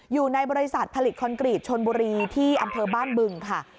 อยู่ในบริษัทผลิตคอนกรีตชนบุรีที่อำเภอบ้านบึงค่ะ